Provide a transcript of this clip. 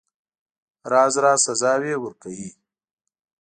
راز راز سزاوي ورکوي.